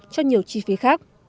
cho nhiều chi phí khác